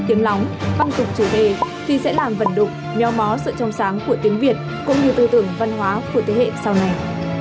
hình lóng văn tục chủ đề thì sẽ làm vật đục mèo mó sự trông sáng của tiếng việt cũng như tư tưởng văn hóa của thế hệ sau này